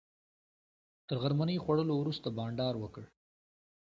تر غرمنۍ خوړلو وروسته بانډار وکړ.